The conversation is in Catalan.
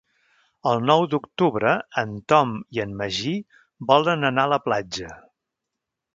El nou d'octubre en Tom i en Magí volen anar a la platja.